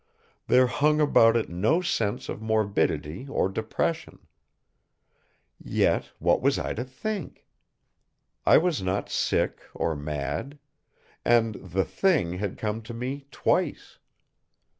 There hung about it no sense of morbidity or depression. Yet, what was I to think? I was not sick or mad; and the Thing had come to me twice.